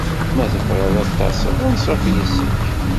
Ma tebɣiḍ ad d-taseḍ, anṣuf yes-k.